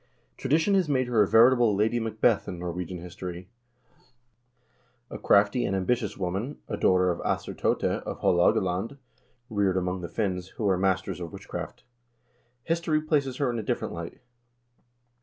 1 Tradition has made her a veritable Lady Macbeth in Norwegian history ; a crafty and ambitious woman, a daughter of Assur Tote of Haalogaland, reared among the Finns, who were masters of witch craft.2 History places her in a different light.